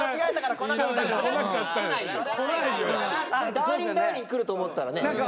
「ダーリンダーリン」くると思ったらね。